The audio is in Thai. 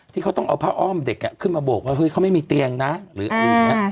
ที่เขาต้องเอาผ้าอ้อมเด็กขึ้นมาโบกว่าเฮ้ยเขาไม่มีเตียงนะหรืออะไรอย่างนี้